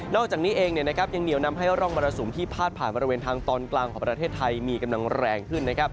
อกจากนี้เองยังเหนียวนำให้ร่องมรสุมที่พาดผ่านบริเวณทางตอนกลางของประเทศไทยมีกำลังแรงขึ้น